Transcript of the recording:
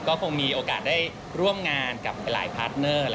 ก็คงมีโอกาสได้ร่วมงานกับหลายพาร์ทเนอร์